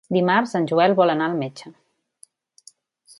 Dimarts en Joel vol anar al metge.